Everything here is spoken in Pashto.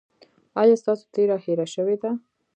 ایا ستاسو تیره هیره شوې ده؟